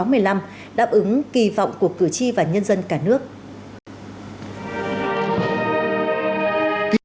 đáp ứng kỳ vọng của cử tri và nhân dân cả nước